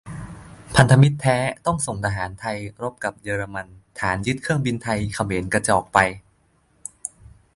พธม แท้ ต้องส่งทหารไทยรบกับเยอรมัน ฐานยึดเครื่องบินไทย เขมรกระจอกไป